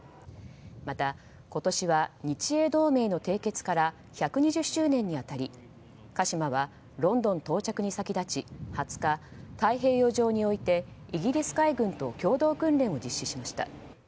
また、今年は日英同盟の締結から１２０周年に当たり「かしま」はロンドン到着に先立ち２０日、太平洋上においてイギリス海軍と共同訓練を実施しました。